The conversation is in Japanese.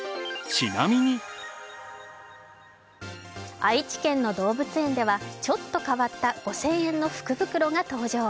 愛知県の動物園ではちょっと変わった５０００円の福袋が登場。